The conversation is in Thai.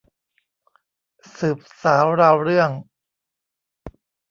สืบสาวราวเรื่อง